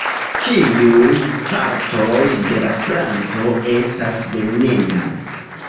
Ĉiuj partoj de la planto estas venenaj.